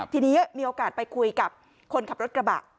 ทีนี้มีโอกาสไปคุยกับคนขับรถกระบะ